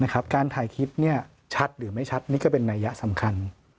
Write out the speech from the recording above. การถ่ายคลิปชัดหรือไม่ชัดนี่ก็เป็นนัยยะสำคัญ